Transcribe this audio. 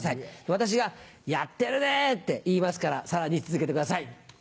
私が「やってるね」って言いますからさらに続けてください。